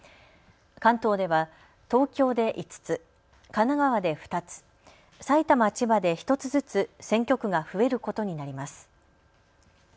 関東では東京で５つ、神奈川で２つ、埼玉、千葉で１つずつ選挙区が増えることになります。